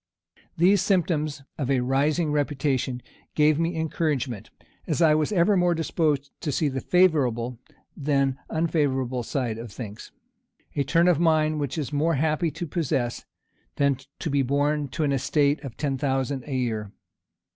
These symptoms of a rising reputation gave me encouragement, as I was ever more disposed to see the favorable than unfavorable side of things; a turn of mind which it is more happy to possess, than to be born to an estate of ten thousand a year.